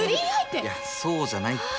いやそうじゃないって。